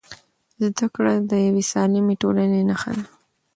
زده کړه د یوې سالمې ټولنې نښه ده.